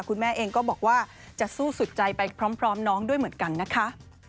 คุณแม่เองก็บอกว่าจะสู้สุดใจไปพร้อมน้องด้วยเหมือนกันนะคะ